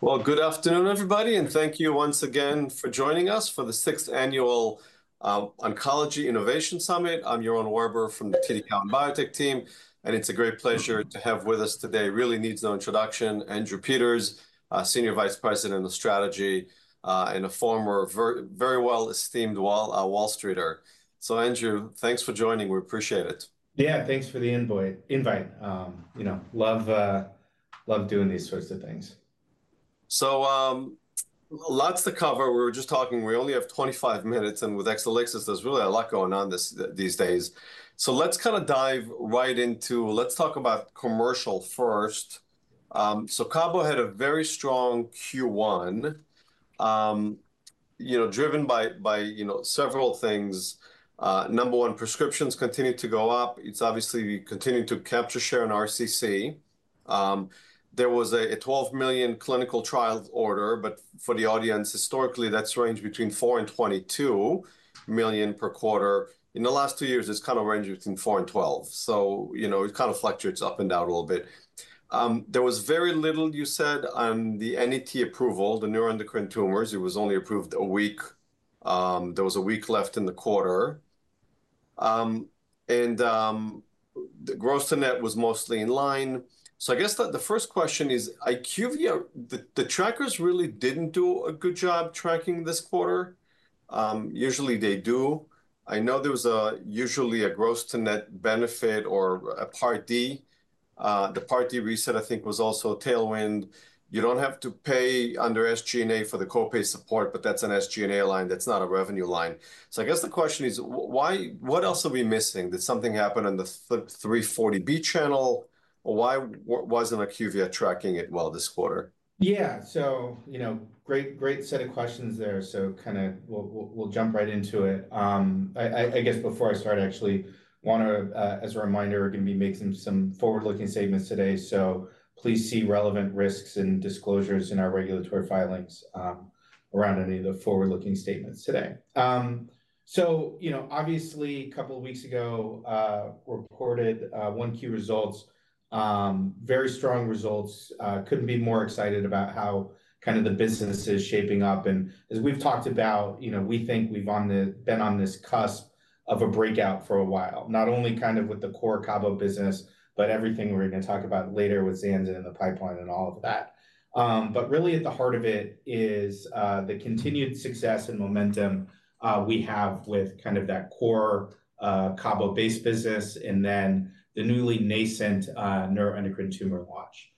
Good afternoon, everybody, and thank you once again for joining us for the 6th Annual Oncology Innovation Summit. I'm Yoran Warber from the TD Cowen Biotech Team, and it's a great pleasure to have with us today, really needs no introduction, Andrew Peters, Senior Vice President of Strategy and a former very well-esteemed Wall Streeter. Andrew, thanks for joining. We appreciate it. Yeah, thanks for the invite. You know, love doing these sorts of things. So, lots to cover. We were just talking. We only have 25 minutes, and with Exelixis, there's really a lot going on these days. Let's kind of dive right into—let's talk about commercial first. Cabo had a very strong Q1, you know, driven by several things. Number one, prescriptions continue to go up. It's obviously continuing to capture share in RCC. There was a $12 million clinical trial order, but for the audience, historically, that's ranged between $4 million-$22 million per quarter. In the last two years, it's kind of ranged between $4 million-$12 million. So, you know, it kind of fluctuates up and down a little bit. There was very little, you said, on the NET approval, the neuroendocrine tumors. It was only approved a week. There was a week left in the quarter. And the gross to net was mostly in line. I guess the first question is, IQVIA, the trackers really didn't do a good job tracking this quarter. Usually, they do. I know there was usually a gross to net benefit or a part D. The part D reset, I think, was also a tailwind. You don't have to pay under SG&A for the copay support, but that's an SG&A line. That's not a revenue line. I guess the question is, what else are we missing? Did something happen on the 340B channel, or why wasn't IQVIA tracking it well this quarter? Yeah, so, you know, great set of questions there. So, kind of we'll jump right into it. I guess before I start, actually want to, as a reminder, we're going to be making some forward-looking statements today. Please see relevant risks and disclosures in our regulatory filings around any of the forward-looking statements today. You know, obviously, a couple of weeks ago, we reported one key results. Very strong results. Couldn't be more excited about how kind of the business is shaping up. As we've talked about, you know, we think we've been on this cusp of a breakout for a while, not only kind of with the core Cabo business, but everything we're going to talk about later with Zanza in the pipeline and all of that. But really, at the heart of it is the continued success and momentum we have with kind of that core Cabo-based business and then the newly nascent neuroendocrine tumor launch.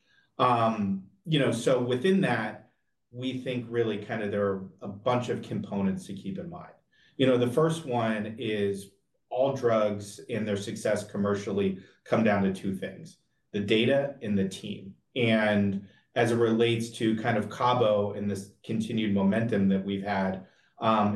You know, so within that, we think really kind of there are a bunch of components to keep in mind. You know, the first one is all drugs and their success commercially come down to two things: the data and the team. And as it relates to kind of Cabo and this continued momentum that we've had,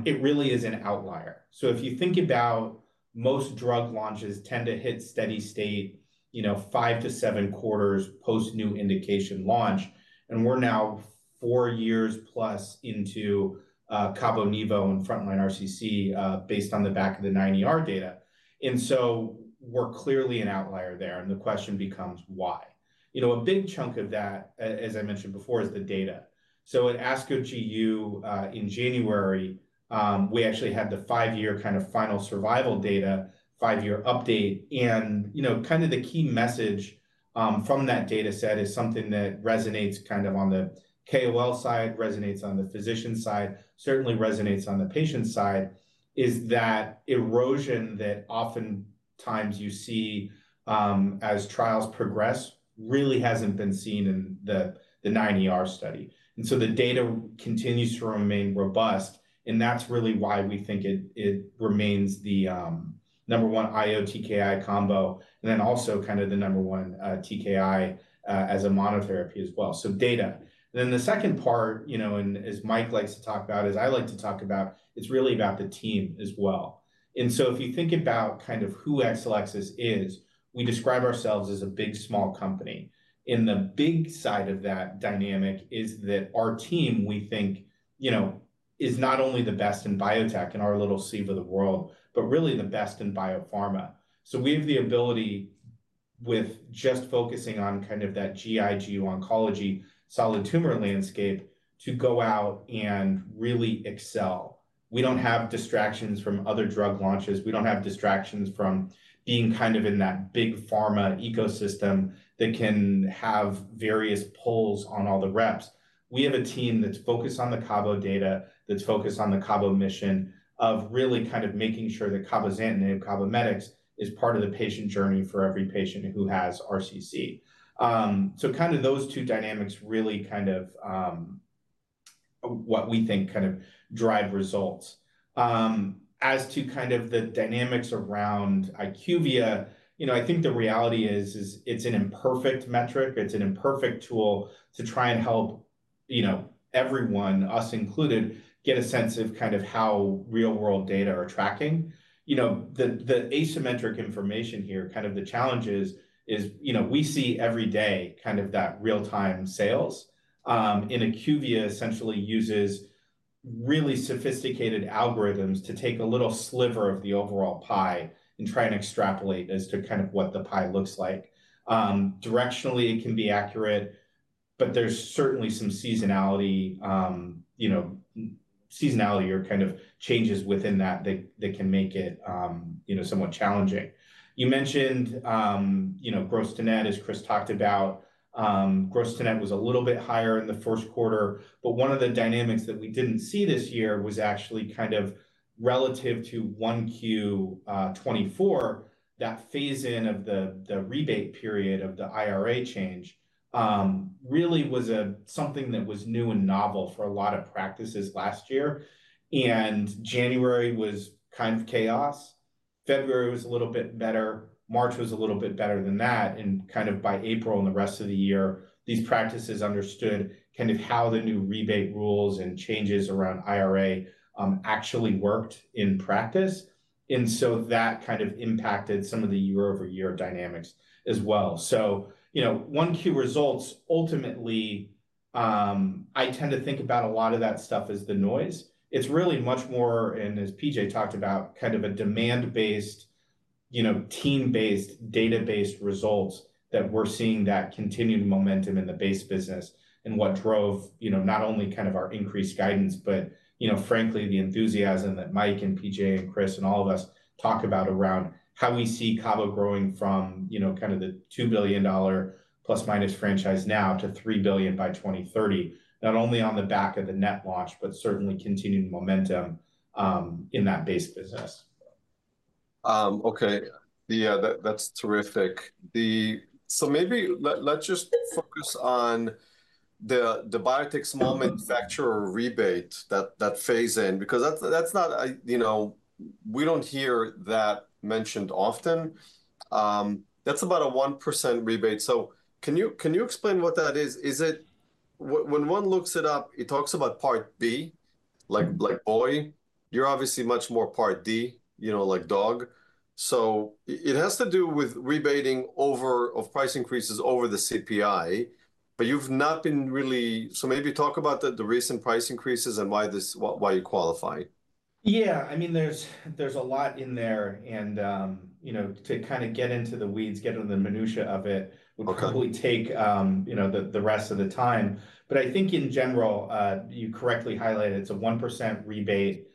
it really is an outlier. If you think about most drug launches tend to hit steady state, you know, five to seven quarters post new indication launch, and we're now four years plus into Cabo Nevo and frontline RCC based on the back of the 90R data. We are clearly an outlier there. The question becomes, why? You know, a big chunk of that, as I mentioned before, is the data. At ASCO GU in January, we actually had the five-year kind of final survival data, five-year update. You know, kind of the key message from that data set is something that resonates kind of on the KOL side, resonates on the physician side, certainly resonates on the patient side, is that erosion that oftentimes you see as trials progress really hasn't been seen in the 90R study. The data continues to remain robust. That's really why we think it remains the number one IO TKI combo, and then also kind of the number one TKI as a monotherapy as well. Data. The second part, you know, and as Mike likes to talk about, as I like to talk about, it's really about the team as well. If you think about kind of who Exelixis is, we describe ourselves as a big small company. The big side of that dynamic is that our team, we think, you know, is not only the best in biotech in our little sea of the world, but really the best in biopharma. We have the ability, with just focusing on kind of that GU oncology solid tumor landscape, to go out and really excel. We do not have distractions from other drug launches. We do not have distractions from being kind of in that big pharma ecosystem that can have various pulls on all the reps. We have a team that is focused on the Cabo data, that is focused on the Cabo mission of really kind of making sure that Cabozantinib and CABOMETYX is part of the patient journey for every patient who has RCC. Kind of those two dynamics really kind of what we think kind of drive results. As to kind of the dynamics around IQVIA, you know, I think the reality is, is it's an imperfect metric. It's an imperfect tool to try and help, you know, everyone, us included, get a sense of kind of how real-world data are tracking. You know, the asymmetric information here, kind of the challenge is, is, you know, we see every day kind of that real-time sales. And IQVIA essentially uses really sophisticated algorithms to take a little sliver of the overall pie and try and extrapolate as to kind of what the pie looks like. Directionally, it can be accurate, but there's certainly some seasonality, you know, seasonality or kind of changes within that that can make it, you know, somewhat challenging. You mentioned, you know, gross to net as Chris talked about. Gross to net was a little bit higher in the first quarter, but one of the dynamics that we did not see this year was actually kind of relative to one Q24, that phase-in of the rebate period of the IRA change really was something that was new and novel for a lot of practices last year. January was kind of chaos. February was a little bit better. March was a little bit better than that. By April and the rest of the year, these practices understood kind of how the new rebate rules and changes around IRA actually worked in practice. That kind of impacted some of the year-over-year dynamics as well. You know, one Q results ultimately, I tend to think about a lot of that stuff as the noise. It's really much more, and as PJ talked about, kind of a demand-based, you know, team-based, data-based results that we're seeing that continued momentum in the base business and what drove, you know, not only kind of our increased guidance, but, you know, frankly, the enthusiasm that Mike and PJ and Chris and all of us talk about around how we see Cabo growing from, you know, kind of the $2 billion plus-minus franchise now to $3 billion by 2030, not only on the back of the NET launch, but certainly continued momentum in that base business. Okay. Yeah, that's terrific. Maybe let's just focus on the biotech small manufacturer rebate, that phase-in, because that's not, you know, we don't hear that mentioned often. That's about a 1% rebate. Can you explain what that is? Is it when one looks it up, it talks about Part B, like boy. You're obviously much more part D, you know, like dog. It has to do with rebating over of price increases over the CPI, but you've not been really, so maybe talk about the recent price increases and why you qualify. Yeah, I mean, there's a lot in there. You know, to kind of get into the weeds, get into the minutia of it, would probably take, you know, the rest of the time. I think in general, you correctly highlighted, it's a 1% rebate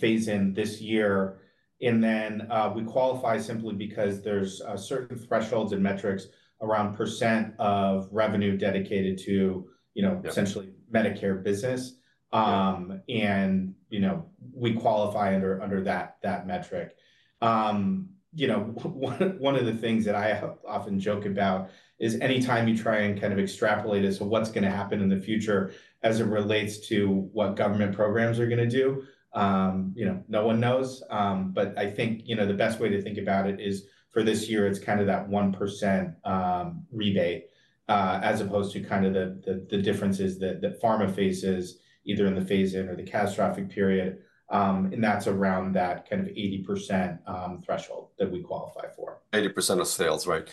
phase-in this year. We qualify simply because there's certain thresholds and metrics around percent of revenue dedicated to, you know, essentially Medicare business. You know, we qualify under that metric. You know, one of the things that I often joke about is anytime you try and kind of extrapolate as to what's going to happen in the future as it relates to what government programs are going to do, you know, no one knows. I think, you know, the best way to think about it is for this year, it's kind of that 1% rebate as opposed to kind of the differences that pharma faces either in the phase-in or the catastrophic period. That's around that kind of 80% threshold that we qualify for. 80% of sales, right,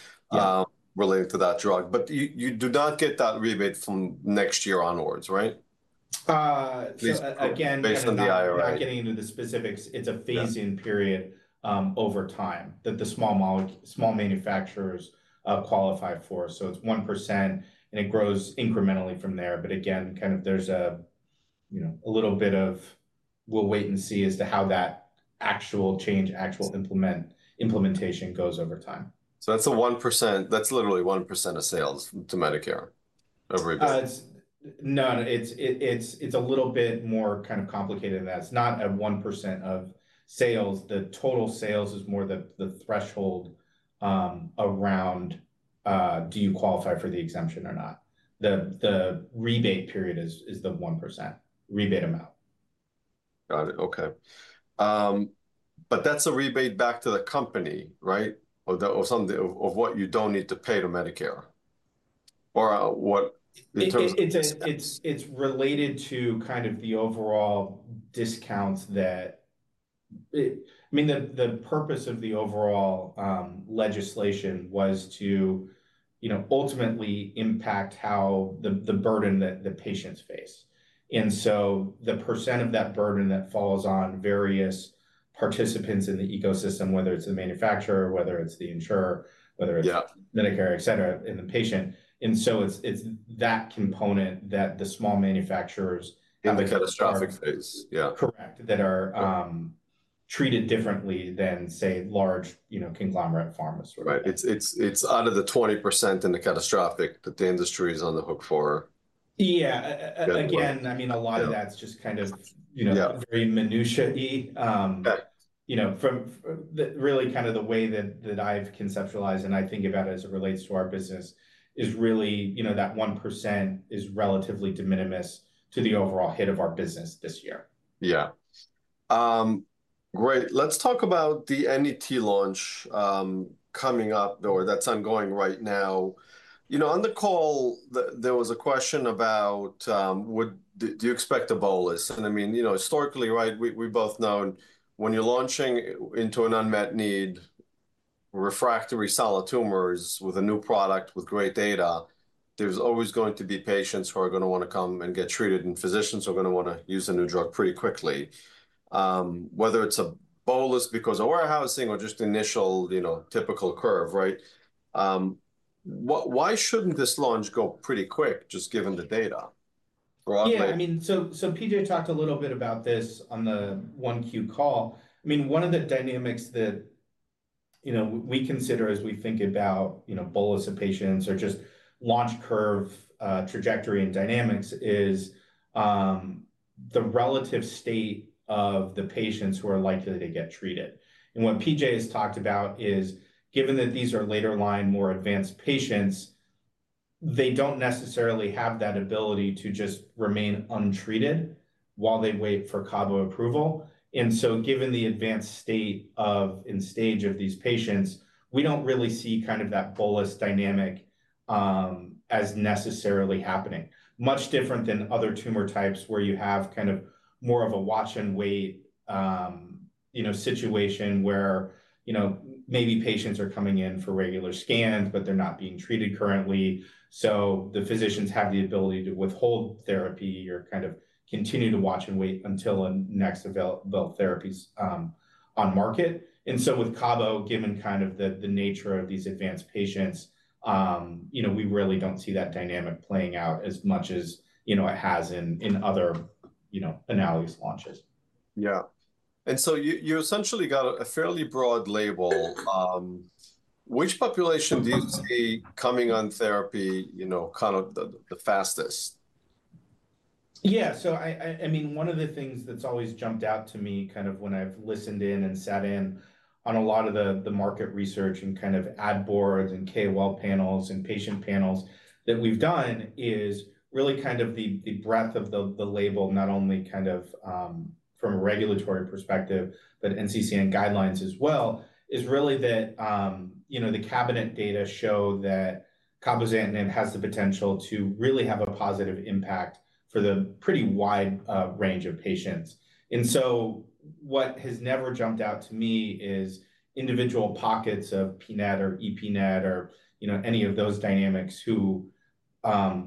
related to that drug. You do not get that rebate from next year onwards, right? Again, not getting into the specifics, it's a phase-in period over time that the small manufacturers qualify for. So, it's 1%, and it grows incrementally from there. But again, kind of there's a, you know, a little bit of, we'll wait and see as to how that actual change, actual implementation goes over time. That's a 1%. That's literally 1% of sales to Medicare every year. No, it's a little bit more kind of complicated than that. It's not a 1% of sales. The total sales is more the threshold around do you qualify for the exemption or not. The rebate period is the 1% rebate amount. Got it. Okay. But that's a rebate back to the company, right, of what you don't need to pay to Medicare or what in terms of. It's related to kind of the overall discounts that, I mean, the purpose of the overall legislation was to, you know, ultimately impact how the burden that the patients face. The percent of that burden that falls on various participants in the ecosystem, whether it's the manufacturer, whether it's the insurer, whether it's Medicare, et cetera, and the patient. It's that component that the small manufacturers. In the catastrophic phase. Yeah. Correct, that are treated differently than, say, large, you know, conglomerate pharma stores. Right. It's under the 20% in the catastrophic that the industry is on the hook for. Yeah. Again, I mean, a lot of that's just kind of, you know, very minutiae, you know, from really kind of the way that I've conceptualized and I think about it as it relates to our business is really, you know, that 1% is relatively de minimis to the overall hit of our business this year. Yeah. Great. Let's talk about the NET launch coming up, though, or that's ongoing right now. You know, on the call, there was a question about, do you expect a bolus? And I mean, you know, historically, right, we both know when you're launching into an unmet need, refractory solid tumors with a new product with great data, there's always going to be patients who are going to want to come and get treated, and physicians are going to want to use a new drug pretty quickly, whether it's a bolus because of warehousing or just initial, you know, typical curve, right? Why shouldn't this launch go pretty quick, just given the data? Yeah, I mean, so PJ talked a little bit about this on the one Q call. I mean, one of the dynamics that, you know, we consider as we think about, you know, bolus of patients or just launch curve trajectory and dynamics is the relative state of the patients who are likely to get treated. And what PJ has talked about is, given that these are later line more advanced patients, they don't necessarily have that ability to just remain untreated while they wait for Cabo approval. And so, given the advanced state of and stage of these patients, we don't really see kind of that bolus dynamic as necessarily happening, much different than other tumor types where you have kind of more of a watch and wait, you know, situation where, you know, maybe patients are coming in for regular scans, but they're not being treated currently. The physicians have the ability to withhold therapy or kind of continue to watch and wait until a next available therapy's on market. With Cabo, given kind of the nature of these advanced patients, you know, we really do not see that dynamic playing out as much as, you know, it has in other, you know, analogous launches. Yeah. You essentially got a fairly broad label. Which population do you see coming on therapy, you know, kind of the fastest? Yeah. I mean, one of the things that's always jumped out to me kind of when I've listened in and sat in on a lot of the market research and kind of ad boards and KOL panels and patient panels that we've done is really kind of the breadth of the label, not only kind of from a regulatory perspective, but NCCN guidelines as well, is really that, you know, the CABINET data show that Cabozantinib has the potential to really have a positive impact for the pretty wide range of patients. What has never jumped out to me is individual pockets of PNET or EPNET or, you know, any of those dynamics who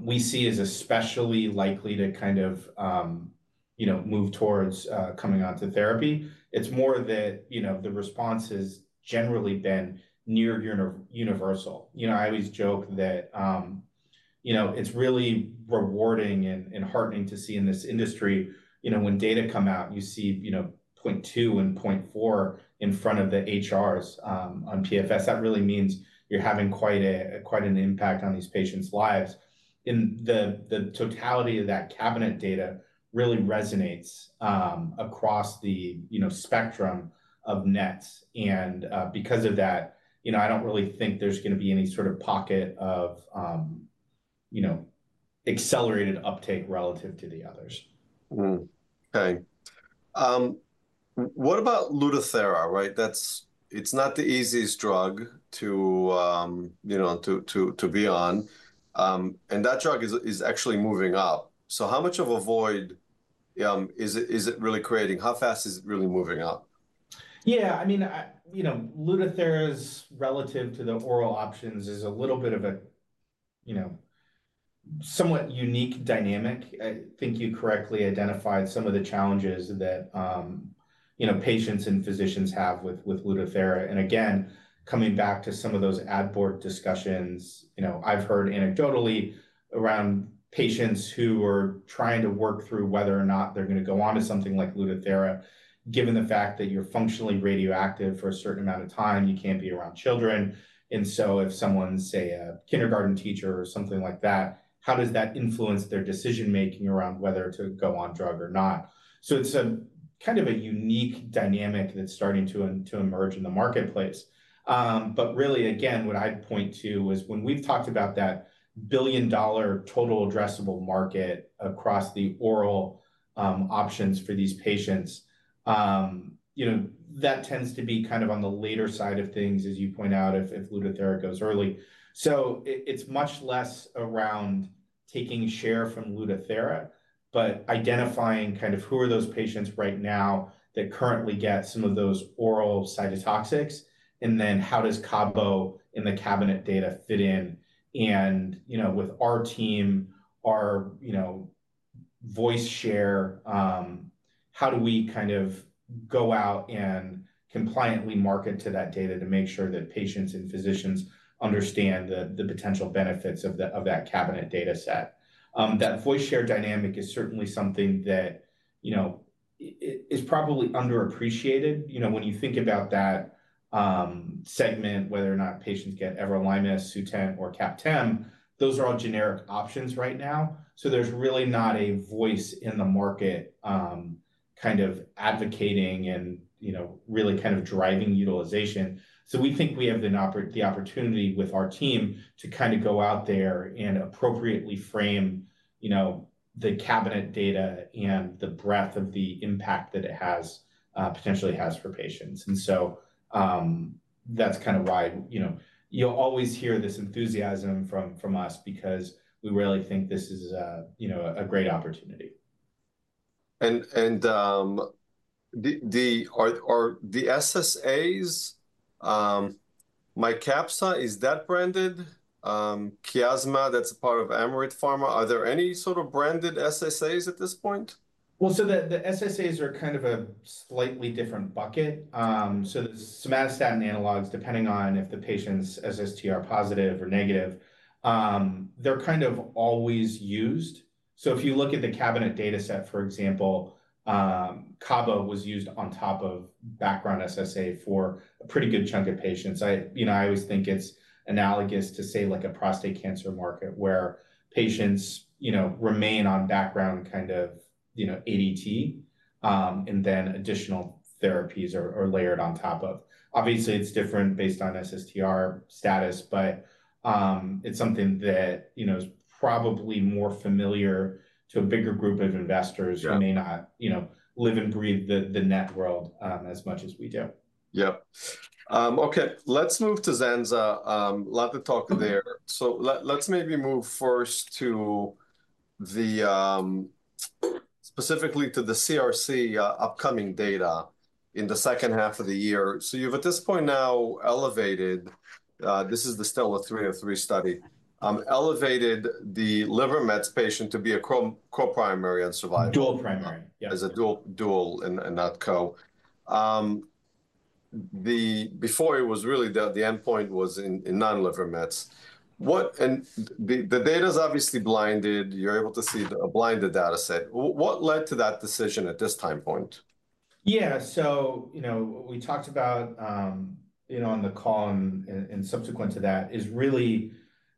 we see as especially likely to kind of, you know, move towards coming onto therapy. It's more that, you know, the response has generally been near universal. You know, I always joke that, you know, it's really rewarding and heartening to see in this industry, you know, when data come out, you see, you know, 0.2 and 0.4 in front of the HRs on PFS. That really means you're having quite an impact on these patients' lives. The totality of that CABINET data really resonates across the, you know, spectrum of NETs. Because of that, you know, I don't really think there's going to be any sort of pocket of, you know, accelerated uptake relative to the others. Okay. What about Lutathera, right? That's it's not the easiest drug to, you know, to be on. And that drug is actually moving up. How much of a void is it really creating? How fast is it really moving up? Yeah. I mean, you know, Lutathera's relative to the oral options is a little bit of a, you know, somewhat unique dynamic. I think you correctly identified some of the challenges that, you know, patients and physicians have with Lutathera. Again, coming back to some of those ad board discussions, you know, I've heard anecdotally around patients who are trying to work through whether or not they're going to go on to something like Lutathera, given the fact that you're functionally radioactive for a certain amount of time, you can't be around children. If someone's, say, a kindergarten teacher or something like that, how does that influence their decision-making around whether to go on drug or not? It's kind of a unique dynamic that's starting to emerge in the marketplace. Really, again, what I'd point to is when we've talked about that billion-dollar total addressable market across the oral options for these patients, you know, that tends to be kind of on the later side of things, as you point out, if Lutathera goes early. It's much less around taking share from Lutathera, but identifying kind of who are those patients right now that currently get some of those oral cytotoxics. Then how does Cabo in the cabinet data fit in? You know, with our team, our, you know, voice share, how do we kind of go out and compliantly market to that data to make sure that patients and physicians understand the potential benefits of that cabinet data set? That voice share dynamic is certainly something that, you know, is probably underappreciated. You know, when you think about that segment, whether or not patients get everolimus, Sutent, or CAPTEM, those are all generic options right now. There is really not a voice in the market kind of advocating and, you know, really kind of driving utilization. We think we have the opportunity with our team to kind of go out there and appropriately frame, you know, the CABINET data and the breadth of the impact that it potentially has for patients. That is kind of why, you know, you will always hear this enthusiasm from us because we really think this is a, you know, a great opportunity. The SSAs, MYCAPSSA, is that branded? MYCAPSSA, that's a part of Amryt Pharma. Are there any sort of branded SSAs at this point? The SSAs are kind of a slightly different bucket. The somatostatin analogs, depending on if the patient's SSTR are positive or negative, they're kind of always used. If you look at the CABINET data set, for example, Cabo was used on top of background SSA for a pretty good chunk of patients. I, you know, I always think it's analogous to say like a prostate cancer market where patients, you know, remain on background kind of, you know, ADT and then additional therapies are layered on top of. Obviously, it's different based on SSTR status, but it's something that, you know, is probably more familiar to a bigger group of investors who may not, you know, live and breathe the NET world as much as we do. Yep. Okay. Let's move to Zanza. Love to talk there. Let's maybe move first specifically to the CRC upcoming data in the second half of the year. You've at this point now elevated, this is the STELLAR-303 study, elevated the liver mets patient to be a coprimary on survival. Dual primary. Yeah. As a dual and not co. The before it was really the endpoint was in non-liver meds. What, and the data's obviously blinded. You're able to see a blinded data set. What led to that decision at this time point? Yeah. So, you know, we talked about, you know, on the call and subsequent to that is really,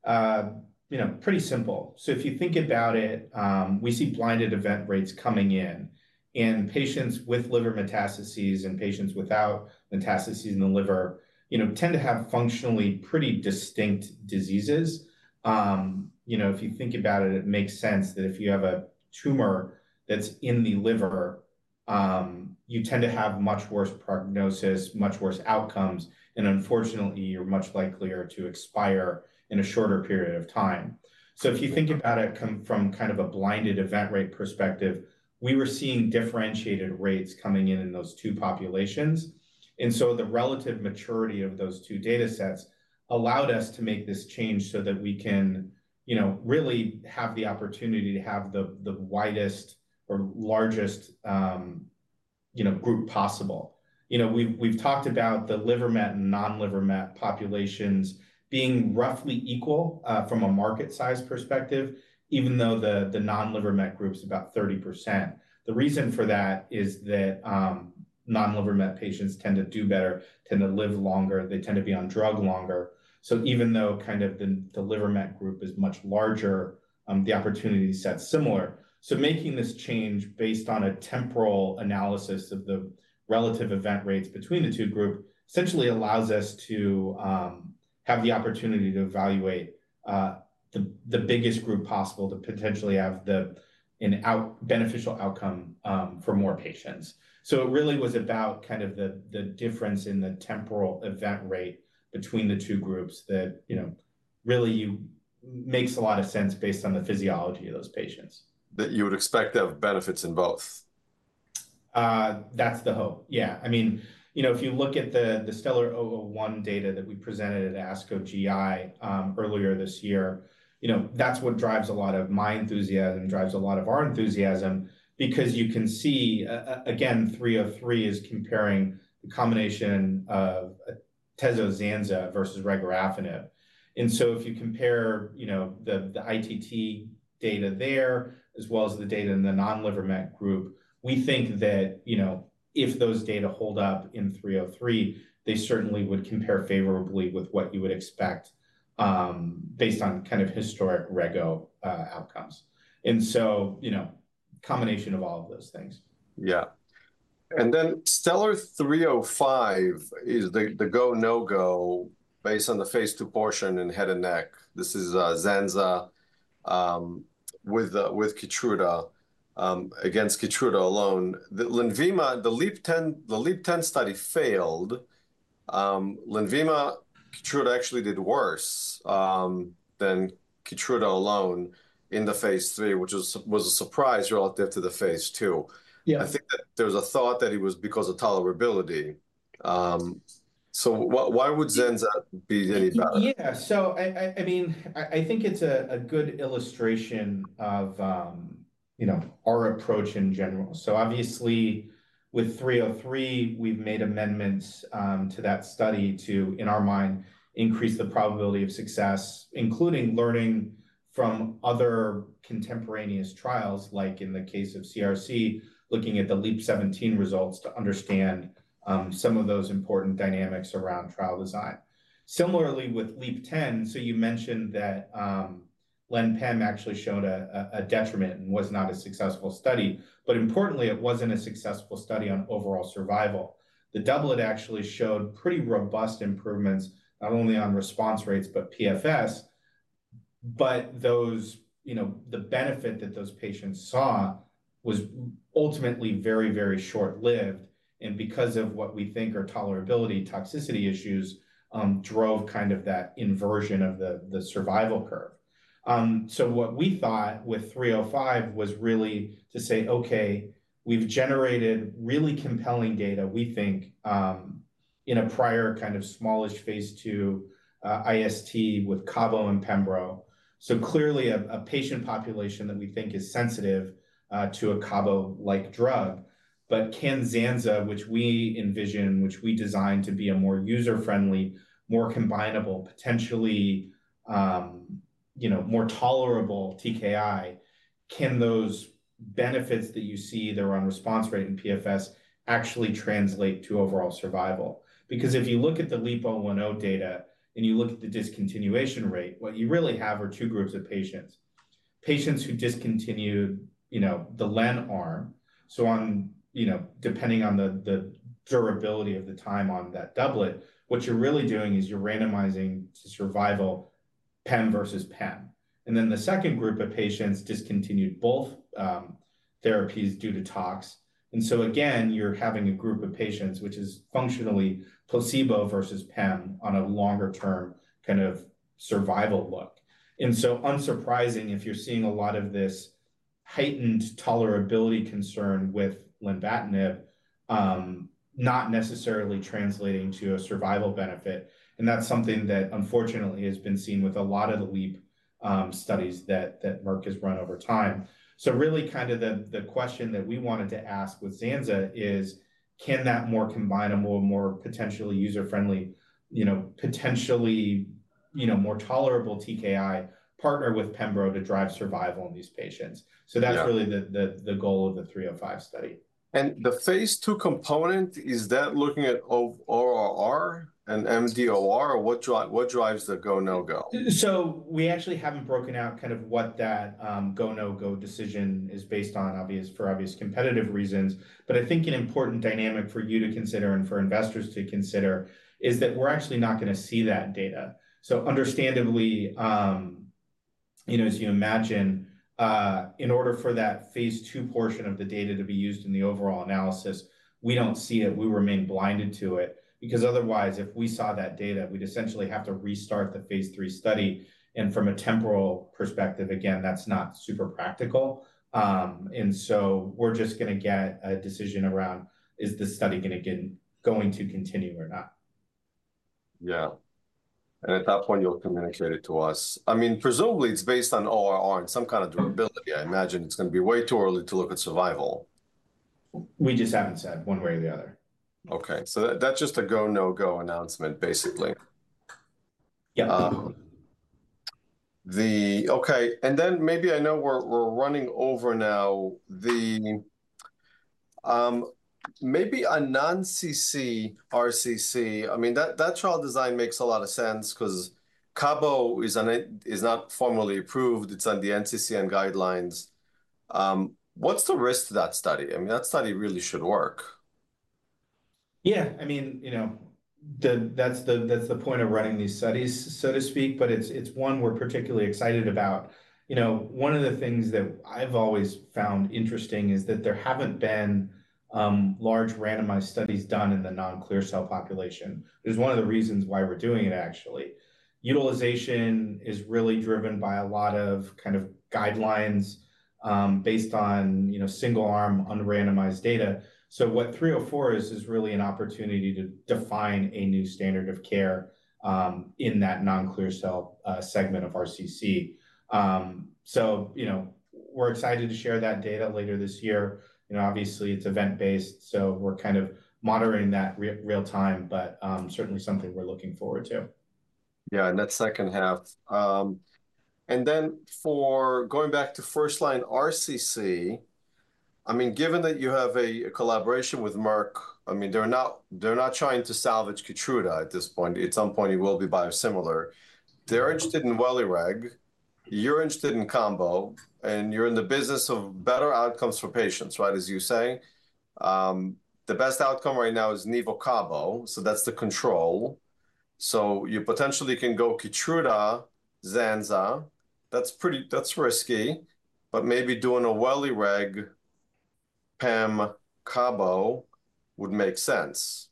you know, pretty simple. If you think about it, we see blinded event rates coming in. And patients with liver metastases and patients without metastases in the liver, you know, tend to have functionally pretty distinct diseases. You know, if you think about it, it makes sense that if you have a tumor that's in the liver, you tend to have much worse prognosis, much worse outcomes. Unfortunately, you're much likelier to expire in a shorter period of time. If you think about it from kind of a blinded event rate perspective, we were seeing differentiated rates coming in in those two populations. The relative maturity of those two data sets allowed us to make this change so that we can, you know, really have the opportunity to have the widest or largest, you know, group possible. You know, we've talked about the liver met and non-liver met populations being roughly equal from a market size perspective, even though the non-liver met group's about 30%. The reason for that is that non-liver met patients tend to do better, tend to live longer, they tend to be on drug longer. Even though kind of the liver met group is much larger, the opportunity set's similar. Making this change based on a temporal analysis of the relative event rates between the two groups essentially allows us to have the opportunity to evaluate the biggest group possible to potentially have the beneficial outcome for more patients. It really was about kind of the difference in the temporal event rate between the two groups that, you know, really makes a lot of sense based on the physiology of those patients. That you would expect to have benefits in both. That's the hope. Yeah. I mean, you know, if you look at the STELLAR-001 data that we presented at ASCO GI earlier this year, you know, that's what drives a lot of my enthusiasm, drives a lot of our enthusiasm because you can see, again, 303 is comparing the combination of Tezozanza versus Regorafenib. I mean, if you compare, you know, the ITT data there as well as the data in the non-liver met group, we think that, you know, if those data hold up in 303, they certainly would compare favorably with what you would expect based on kind of historic rego outcomes. I mean, combination of all of those things. Yeah. Stellar 305 is the go/no go based on the phase II portion and head and neck. This is Zanzalintinib with KEYTRUDA against KEYTRUDA alone. The Lenvatinib, the LEAP-10 study failed. Lenvatinib, KEYTRUDA actually did worse than KEYTRUDA alone in the phase III, which was a surprise relative to the phase II. Yeah. I think that there's a thought that it was because of tolerability. So, why would Zanza be any better? Yeah. I mean, I think it's a good illustration of, you know, our approach in general. Obviously, with 303, we've made amendments to that study to, in our mind, increase the probability of success, including learning from other contemporaneous trials, like in the case of CRC, looking at the LEEP-17 results to understand some of those important dynamics around trial design. Similarly, with LEEP-10, you mentioned that Len-PEM actually showed a detriment and was not a successful study, but importantly, it wasn't a successful study on overall survival. The doublet actually showed pretty robust improvements, not only on response rates, but PFS, but those, you know, the benefit that those patients saw was ultimately very, very short-lived. Because of what we think are tolerability toxicity issues, that drove kind of that inversion of the survival curve. What we thought with 305 was really to say, okay, we've generated really compelling data, we think, in a prior kind of smallish phase II IST with Cabo and Pembro. Clearly, a patient population that we think is sensitive to a Cabo-like drug, but can Zanza, which we envision, which we designed to be a more user-friendly, more combinable, potentially, you know, more tolerable TKI, can those benefits that you see there on response rate and PFS actually translate to overall survival? Because if you look at the LEEP-010 data and you look at the discontinuation rate, what you really have are two groups of patients. Patients who discontinued, you know, the Len arm. On, you know, depending on the durability of the time on that doublet, what you're really doing is you're randomizing to survival PEM versus PEM. The second group of patients discontinued both therapies due to tox. Again, you're having a group of patients, which is functionally placebo versus PEM on a longer-term kind of survival look. Unsurprising, if you're seeing a lot of this heightened tolerability concern with Lenvatinib, not necessarily translating to a survival benefit. That is something that unfortunately has been seen with a lot of the LEEP studies that Merck has run over time. Really kind of the question that we wanted to ask with Zanza is, can that more combinable, more potentially user-friendly, you know, potentially, you know, more tolerable TKI partner with Pembro to drive survival in these patients? That is really the goal of the 305 study. The phase II component, is that looking at ORR and MDOR or what drives the go/no go? We actually haven't broken out kind of what that go/no go decision is based on, for obvious competitive reasons. I think an important dynamic for you to consider and for investors to consider is that we're actually not going to see that data. Understandably, you know, as you imagine, in order for that phase II portion of the data to be used in the overall analysis, we don't see it. We remain blinded to it because otherwise, if we saw that data, we'd essentially have to restart the phase III study. From a temporal perspective, again, that's not super practical. We're just going to get a decision around, is this study going to continue or not? Yeah. At that point, you'll communicate it to us. I mean, presumably, it's based on ORR and some kind of durability. I imagine it's going to be way too early to look at survival. We just haven't said one way or the other. Okay. So, that's just a go/no go announcement, basically. Yeah. Okay. And then maybe I know we're running over now. Maybe a non-CCRCC, I mean, that trial design makes a lot of sense because Cabo is not formally approved. It's on the NCCN guidelines. What's the risk to that study? I mean, that study really should work. Yeah. I mean, you know, that's the point of running these studies, so to speak. But it's one we're particularly excited about. You know, one of the things that I've always found interesting is that there haven't been large randomized studies done in the non-clear cell population. It was one of the reasons why we're doing it, actually. Utilization is really driven by a lot of kind of guidelines based on, you know, single-arm unrandomized data. What 304 is, is really an opportunity to define a new standard of care in that non-clear cell segment of RCC. You know, we're excited to share that data later this year. Obviously, it's event-based. We're kind of monitoring that real-time, but certainly something we're looking forward to. Yeah. And that second half. And then for going back to first-line RCC, I mean, given that you have a collaboration with Merck, I mean, they're not trying to salvage KEYTRUDA at this point. At some point, it will be biosimilar. They're interested in Wellireg. You're interested in Combo, and you're in the business of better outcomes for patients, right, as you say. The best outcome right now is NIVO-CABO. So, that's the control. So, you potentially can go KEYTRUDA, Zanza. That's pretty, that's risky, but maybe doing a Wellireg, PEM, Cabo would make sense.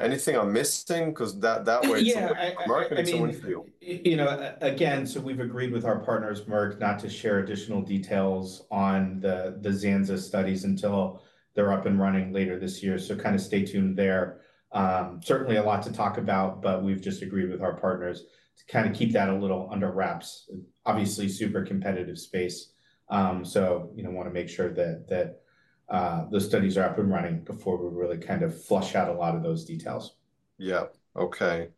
Anything I'm missing? Because that way. Yeah. I mean, you know, again, we've agreed with our partners, Merck, not to share additional details on the Zanza studies until they're up and running later this year. Kind of stay tuned there. Certainly a lot to talk about, but we've just agreed with our partners to kind of keep that a little under wraps. Obviously, super competitive space. You know, want to make sure that the studies are up and running before we really kind of flush out a lot of those details. Yeah. Okay.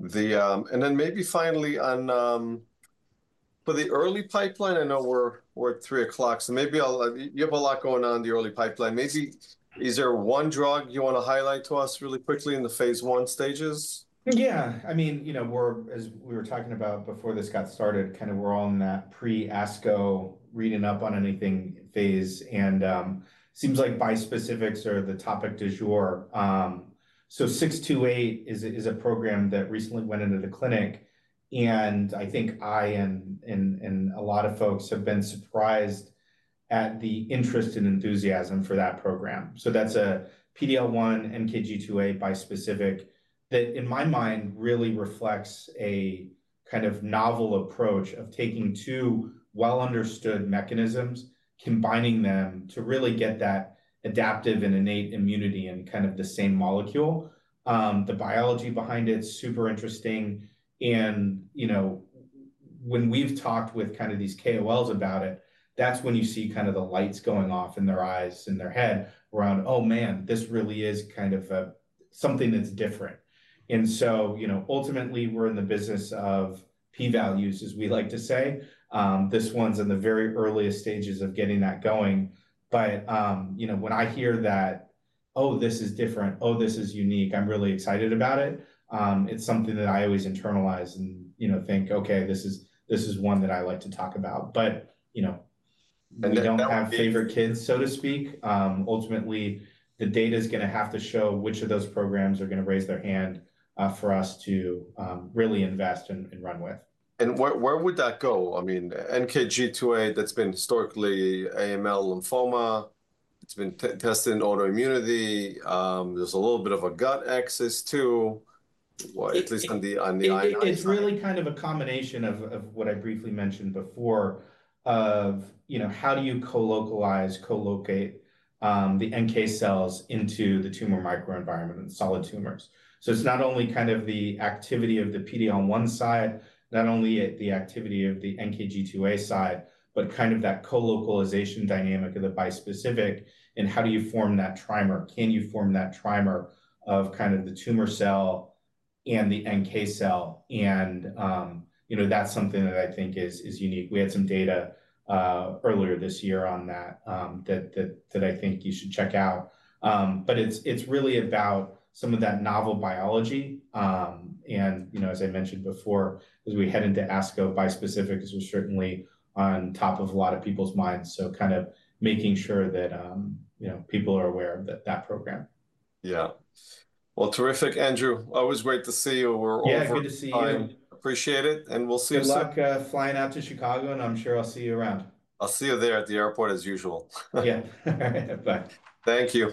The, and then maybe finally for the early pipeline, I know we're at 3:00 P.M., so maybe you have a lot going on in the early pipeline. Maybe is there one drug you want to highlight to us really quickly in the phase I stages? Yeah. I mean, you know, we're, as we were talking about before this got started, kind of we're on that pre-ASCO reading up on anything phase. It seems like bispecifics are the topic du jour. 628 is a program that recently went into the clinic. I think I and a lot of folks have been surprised at the interest and enthusiasm for that program. That's a PD-L1, NKG2A bispecific that in my mind really reflects a kind of novel approach of taking two well-understood mechanisms, combining them to really get that adaptive and innate immunity in kind of the same molecule. The biology behind it's super interesting. You know, when we've talked with kind of these KOLs about it, that's when you see kind of the lights going off in their eyes and their head around, "Oh man, this really is kind of something that's different." You know, ultimately, we're in the business of P-values, as we like to say. This one's in the very earliest stages of getting that going. You know, when I hear that, "Oh, this is different. Oh, this is unique," I'm really excited about it. It's something that I always internalize and, you know, think, "Okay, this is one that I like to talk about." You know, we don't have favorite kids, so to speak. Ultimately, the data is going to have to show which of those programs are going to raise their hand for us to really invest and run with. Where would that go? I mean, NKG2A, that's been historically AML lymphoma. It's been tested in autoimmunity. There's a little bit of a gut axis too, at least on the ionization. It's really kind of a combination of what I briefly mentioned before of, you know, how do you co-localize, co-locate the NK cells into the tumor microenvironment and solid tumors. It's not only kind of the activity of the PD on one side, not only the activity of the NKG2A side, but kind of that co-localization dynamic of the bispecific and how do you form that trimer? Can you form that trimer of kind of the tumor cell and the NK cell? You know, that's something that I think is unique. We had some data earlier this year on that that I think you should check out. It's really about some of that novel biology. You know, as I mentioned before, as we head into ASCO, bispecific is certainly on top of a lot of people's minds. Kind of making sure that, you know, people are aware of that program. Yeah. Terrific, Andrew. Always great to see you. We're all very happy. Yeah, good to see you. Appreciate it. We'll see you soon. Good luck flying out to Chicago, and I'm sure I'll see you around. I'll see you there at the airport as usual. Yeah. All right. Bye. Thank you.